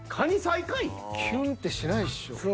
キュンってしないっしょ。